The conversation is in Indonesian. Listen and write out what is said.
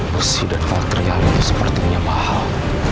mesin dan bakteria itu sepertinya mahal